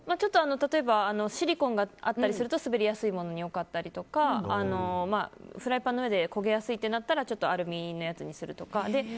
例えばシリコンがあったりすると滑りやすいものに良かったりとかフライパンの上で焦げやすいとなったらちょっとアルミのやつにするとか。